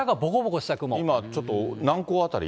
今、ちょっと南港辺り？